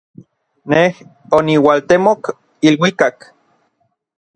Nej oniualtemok iluikak.